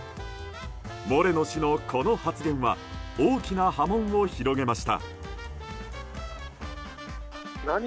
モレノ氏のこの発言は大きな波紋を広げました。